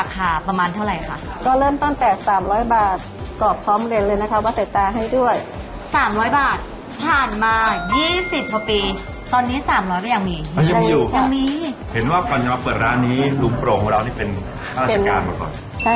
แกก็พอมีรายได้ของแกนะคะ